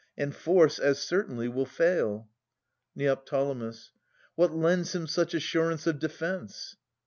And force as certainly will fail. Neo. What lends him such assurance of defence